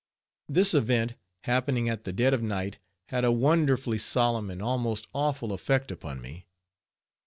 This event, happening at the dead of night, had a wonderfully solemn and almost awful effect upon me.